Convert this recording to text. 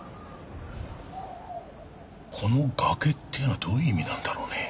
この「崖」っていうのはどういう意味なんだろうね？